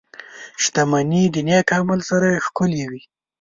• شتمني د نېک عمل سره ښکلې وي.